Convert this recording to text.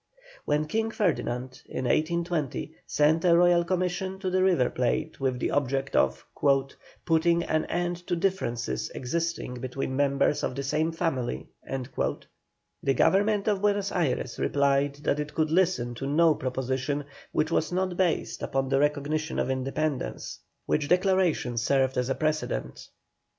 When King Ferdinand, in 1820, sent a royal commission to the River Plate with the object of "putting an end to differences existing between members of the same family," the Government of Buenos Ayres replied that it could listen to no proposition which was not based upon the recognition of independence, which declaration served as a precedent.